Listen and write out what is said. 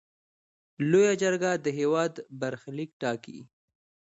لویه جرګه د هیواد برخلیک ټاکي.